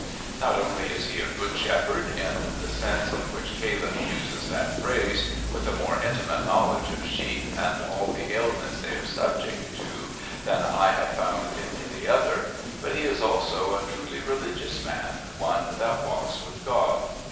Not only is he a "good shepherd," in the sense in which Caleb uses that phrase, with a more intimate knowledge of sheep and all the ailments they are subject to than I have found in any other, but he is also a truly religious man, one that "walks with God."